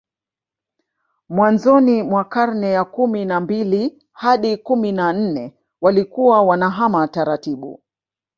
Mwanzoni mwa karne ya kumi na mbili hadi kumi na nne walikuwa wanahama taratibu